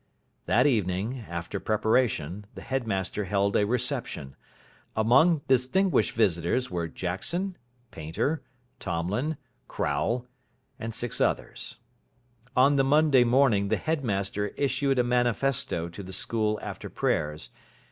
That evening, after preparation, the headmaster held a reception. Among distinguished visitors were Jackson, Painter, Tomlin, Crowle, and six others. On the Monday morning the headmaster issued a manifesto to the school after prayers.